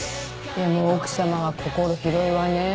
でも奥様は心広いわね。